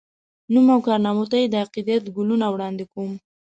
نوم او کارنامو ته یې د عقیدت ګلونه وړاندي کوم